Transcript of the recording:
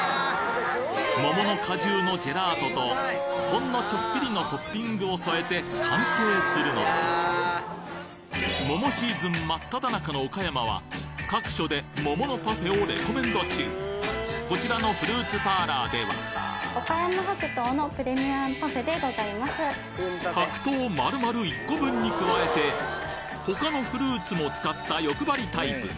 桃の果汁のジェラートとほんのちょっぴりのトッピングを添えて完成するのだ桃シーズン真っ只中の岡山は各所で桃のパフェをレコメンド中こちらのフルーツパーラーでは白桃まるまる１個分に加えてほかのフルーツも使った欲張りタイプ